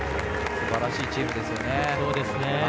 すばらしいチームですよね。